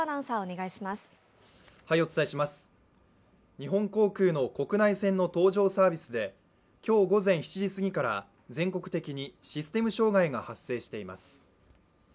日本航空の国内線の搭乗サービスで、今日午前７時過ぎから全国的にシステム障害が発生しています。